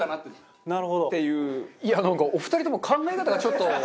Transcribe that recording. いやなんかお二人とも考え方がちょっと。